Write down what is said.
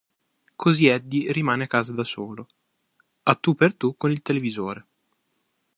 Così Eddie rimane a casa da solo, a tu per tu con il televisore.